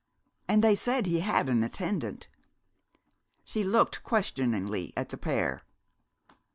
"And they said he had an attendant." She looked questioningly at the pair.